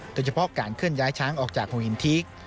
โดยเฉพาะการเคลื่อนย้ายช้างออกจากหัวหินทีก